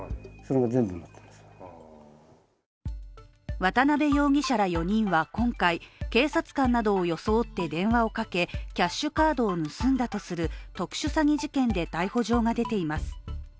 渡辺容疑者ら４人は今回、警察官などを装って電話をかけ、キャッシュカードを盗んだとする特殊詐欺事件で逮捕状が出ています。